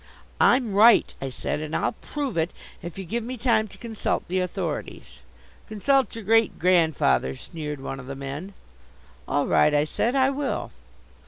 "I'm right," I said, "and I'll prove it if you give me time to consult the authorities." "Consult your great grandfather!" sneered one of the men. "All right," I said, "I will."